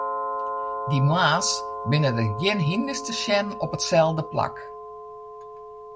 Dy moarns binne der gjin hynders te sjen op it stelde plak.